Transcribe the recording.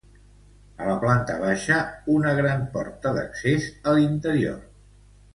A la planta baixa, una gran porta d'accés a l'interior.